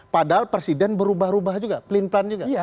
padahal presiden berubah ubah juga pelin pelan juga